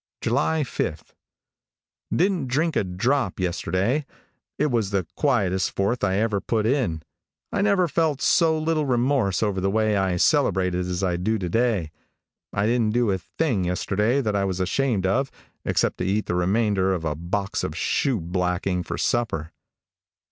July 5. Didn't drink a drop yesterday. It was the quietest Fourth I ever put in. I never felt so little remorse over the way I celebrated as I do to day. I didn't do a thing yesterday that I was ashamed of except to eat the remainder of a box of shoe blacking for supper.